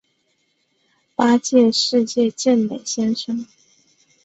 八届世界健美先生。